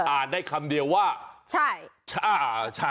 อ่าได้คำเดียวว่าใช่อ่าใช่